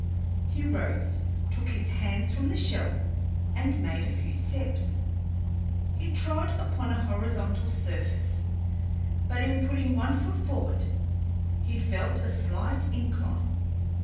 He rose, took his hands from the shell, and made a few steps. He trod upon a horizontal surface, but in putting one foot forward, he felt a slight incline.